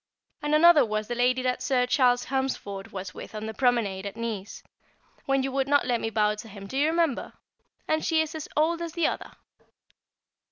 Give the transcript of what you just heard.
And another was the lady that Sir Charles Helmsford was with on the promenade at Nice, when you would not let me bow to him, do you remember? And she is as old as the other!